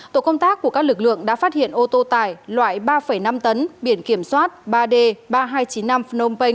tổ công tác của các lực lượng đã phát hiện ô tô tải loại ba năm tấn biển kiểm soát ba d ba nghìn hai trăm chín mươi năm phnom penh